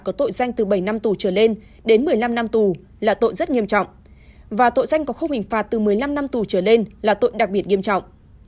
có tội danh từ bảy năm tù trở lên đến một mươi năm năm tù là tội rất nghiêm trọng và tội danh có khúc hình phạt từ một mươi năm năm tù trở lên là tội đặc biệt nghiêm trọng